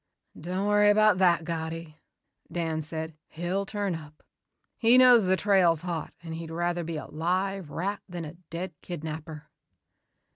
"Don't worry about that, Gatti," Dan said. "He'll turn up. He knows the trail's hot and he'd rather be a live rat than a dead kidnapper."